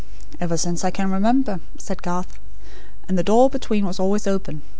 "Ever since I can remember," said Garth. "And the door between was always open.